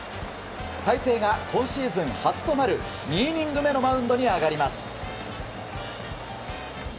大勢が今シーズン初となる２イニング目のマウンドに上がります。